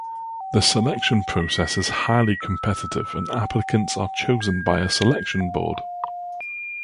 The selection process is highly competitive, and applicants are chosen by a selection board.